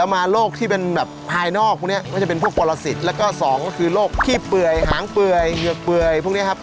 มาโรคที่เป็นแบบภายนอกพวกนี้ก็จะเป็นพวกปรสิทธิ์แล้วก็สองก็คือโรคขี้เปื่อยหางเปื่อยเหงือกเปื่อยพวกนี้ครับ